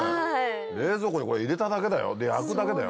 冷蔵庫に入れただけだよで焼くだけだよ。